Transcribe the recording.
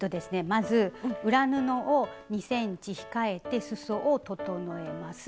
まず裏布を２ｃｍ控えてすそを整えます。